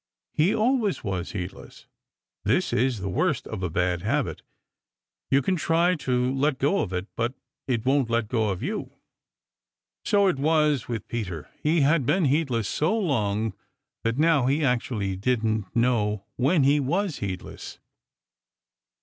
He always was heedless. This is the worst of a bad habit you can try to let go of it, but it won't let go of you. So it was with Peter. He had been heedless so long that now he actually didn't know when he was heedless.